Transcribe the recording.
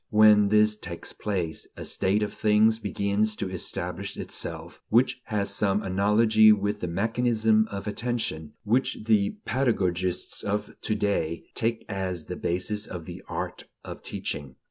When this takes place, a state of things begins to establish itself which has some analogy with that mechanism of attention which the pedagogists of to day take as the basis of the art of teaching.